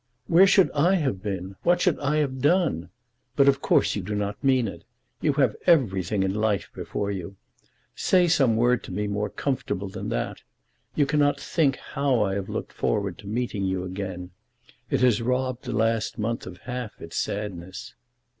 "Where should I have been? What should I have done? But of course you do not mean it. You have everything in life before you. Say some word to me more comfortable than that. You cannot think how I have looked forward to meeting you again. It has robbed the last month of half its sadness."